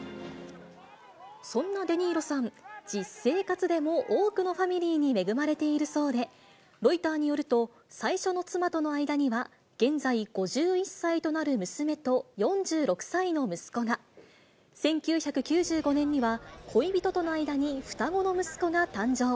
そんなデ・ニーロさん、実生活でも多くのファミリーに恵まれているそうで、ロイターによると、最初の妻との間には、現在、５１歳となる娘と４６歳の息子が、１９９５年には、恋人との間に双子の息子が誕生。